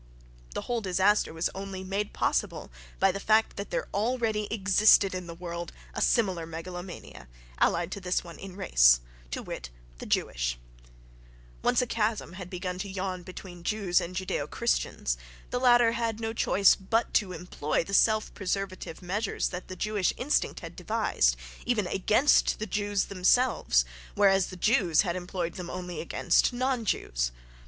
The whole disaster was only made possible by the fact that there already existed in the world a similar megalomania, allied to this one in race, to wit, the Jewish: once a chasm began to yawn between Jews and Judaeo Christians, the latter had no choice but to employ the self preservative measures that the Jewish instinct had devised, even against the Jews themselves, whereas the Jews had employed them only against non Jews.